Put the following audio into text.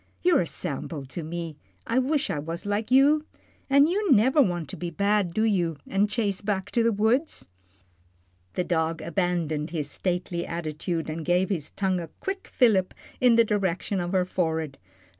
You're a sample to me; I wish I was like you. An' you never want to be bad, do you, an' chase back to the woods?" The dog abandoned his stately attitude, and gave his tongue a quick fillip in the direction of her forehead.